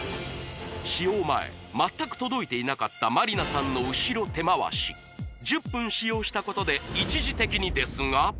使用前全く届いていなかった満里奈さんの後ろ手回し１０分使用したことで一時的にですが・